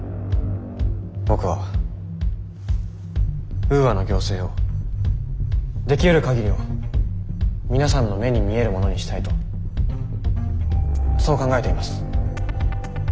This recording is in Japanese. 僕はウーアの行政をできうる限りを皆さんの目に見えるものにしたいとそう考えています。